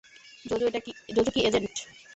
JoJo কি agent?